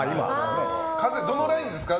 風邪、どのラインですか？